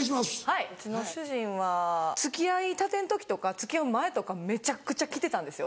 はいうちの主人は付き合いたての時とか付き合う前とかめちゃくちゃきてたんですよ